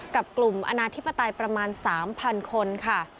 กับกลุ่มอนาธิปไตยประมาณ๓๐๐คนค่ะ